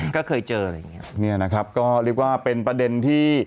ก็เคยเจออะไรอย่างเงี้ยเนี่ยนะครับก็เรียกว่าเป็นประเด็นที่